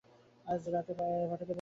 আজ রাতে পাঠাতে পারবেন?